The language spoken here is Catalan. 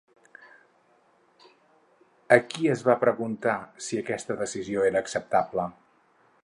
A qui es va preguntar si aquesta decisió era acceptable?